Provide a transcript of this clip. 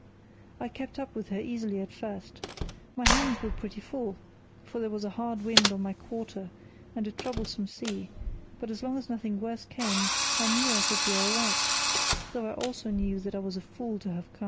I kept up with her easily at first. My hands were pretty full, for there was a hard wind on my quarter and a troublesome sea; but as long as nothing worse came I knew I should be all right, though I also knew that I was a fool to have come.